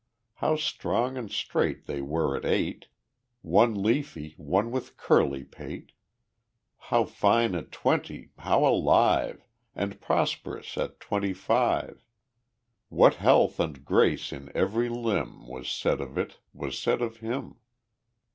How strong and straight they were at eight, One leafy, one with curly pate. How fine at twenty, how alive And prosperous at twenty five. What health and grace in every limb, Was said of it was said of him.